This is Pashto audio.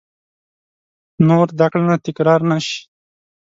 نور دا کړنه تکرار نه شي !